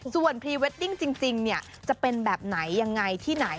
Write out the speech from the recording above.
ส่วนพรีเวดดิ้งจริงจะเป็นแบบไหนยังไงที่ไหน